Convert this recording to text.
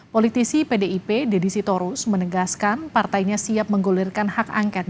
politisi pdip deddy sitorus menegaskan partainya siap menggulirkan hak angket